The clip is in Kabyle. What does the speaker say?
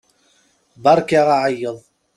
Beṛka aɛeyyeḍ!